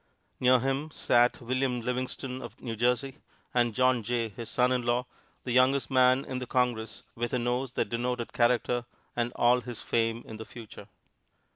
Near him sat William Livingston, of New Jersey, and John Jay, his son in law, the youngest man in the Congress, with a nose that denoted character, and all his fame in the future.